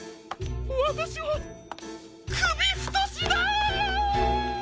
わたしはくびふとしだ！